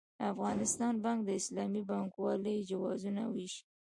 افغانستان بانک د اسلامي بانکوالۍ جوازونه وېشي.